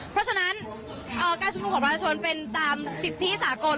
เพราะฉะนั้นการชุมนุมของประชาชนเป็นตามสิทธิสากล